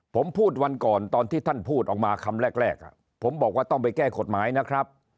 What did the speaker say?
ผมพูดวันก่อนตอนที่ท่านพูดออกมาคำแรกผมบอกว่าต้องไปแก้กฎหมายนะครับ